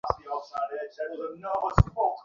মর্নিংওয়াকে বের হয়েছে, এ রকম বেশ কয়েকটি দল পাওয়া গেল।